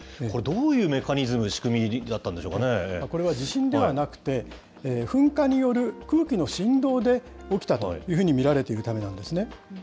これ、どういうメカニズムで、仕これは地震ではなくて、噴火による空気の振動で起きたというふうに見られているためなんですね。